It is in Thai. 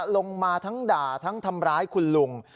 ลงมาทั้งด่าทั้งทำร้ายคุณลุง